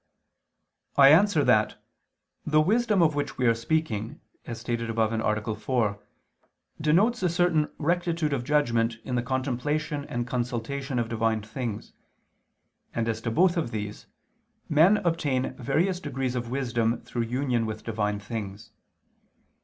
I answer that, The wisdom of which we are speaking, as stated above (A. 4), denotes a certain rectitude of judgment in the contemplation and consultation of Divine things, and as to both of these men obtain various degrees of wisdom through union with Divine things.